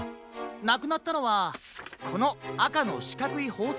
なくなったのはこのあかのしかくいほうせきケースです。